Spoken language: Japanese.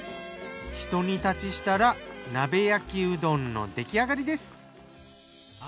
ひと煮立ちしたら鍋焼きうどんの出来上がりです。